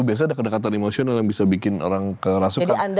biasanya ada kedekatan emosional yang bisa bikin orang kerasukan